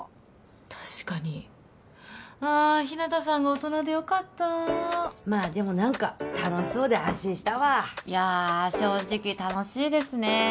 確かにあ日向さんが大人でよかったまあでも何か楽しそうで安心したわいやあ正直楽しいですね